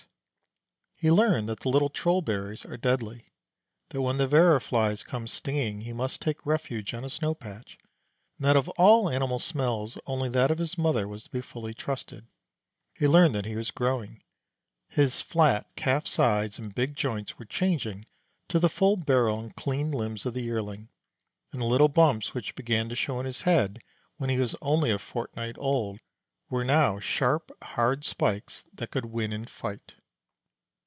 He learned that the little troll berries are deadly, that when the verra flies come stinging he must take refuge on a snow patch, and that of all animal smells only that of his mother was to be fully trusted. He learned that he was growing. His flat calf sides and big joints were changing to the full barrel and clean limbs of the Yearling, and the little bumps which began to show on his head when he was only a fortnight old were now sharp, hard spikes that could win in fight.